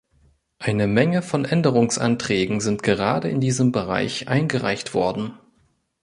Eine Menge von Änderungsanträgen sind gerade in diesem Bereich eingereicht worden.